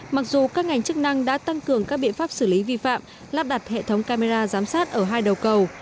mặc dù các ngành chức năng đã tăng cường các biện pháp xử lý vi phạm lắp đặt hệ thống camera giám sát ở hai đầu cầu